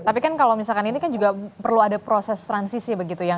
tapi kan kalau misalkan ini kan juga perlu ada proses transisi begitu ya